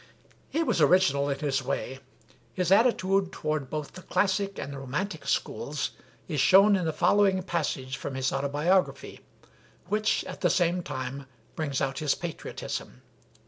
He was original in his way; his attitude toward both the classic and the romantic schools is shown in the following passage from his autobiography, which at the same time brings out his patriotism.